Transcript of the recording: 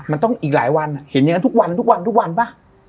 มันต้องอีกหลายวันอะเห็นอย่างนั้นทุกวันปะ